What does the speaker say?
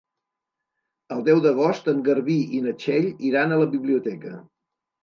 El deu d'agost en Garbí i na Txell iran a la biblioteca.